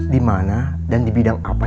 dimana dan di bidang apa